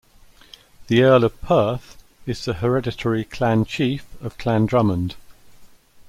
The Earl of Perth is the hereditary Clan Chief of Clan Drummond.